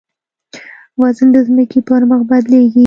وزن د ځمکې پر مخ بدلېږي.